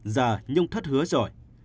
giờ nhung thất hứa rồi